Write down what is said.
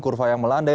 kurva yang melandai